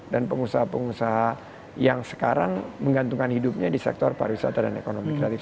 dan pengusaha pengusaha yang sekarang menggantungkan hidupnya di sektor pariwisata dan ekonomi kreatif